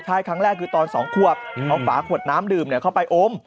ใช่ครั้งแรกคือตอน๒ควบเอาฝาขวดน้ำดื่มเข้าไปอม